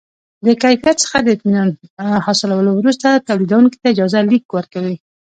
د کیفیت څخه د اطمینان حاصلولو وروسته تولیدوونکي ته اجازه لیک ورکوي.